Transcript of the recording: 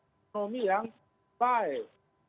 ekonomi yang baik